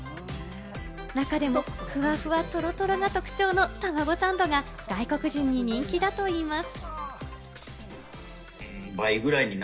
中でも、ふわふわトロトロが特徴のたまごサンドが外国人に人気だといいます。